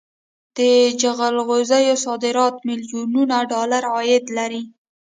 د جلغوزیو صادرات میلیونونه ډالر عاید لري